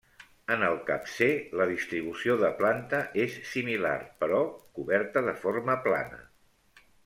En el capcer la distribució de planta és similar, però, coberta de forma plana.